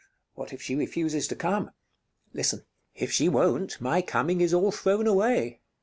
What if she refuses to come? Listen If she won't, my coming is all thrown away.